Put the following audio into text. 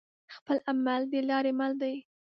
خپل عمل دلاری مل دی